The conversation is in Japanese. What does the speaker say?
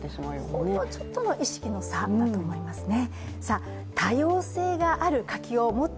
ほんのちょっとの意識の差だと思いますね。